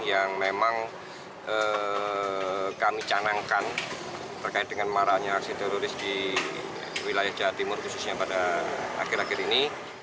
yang memang kami canangkan terkait dengan marahnya aksi teroris di wilayah jawa timur khususnya pada akhir akhir ini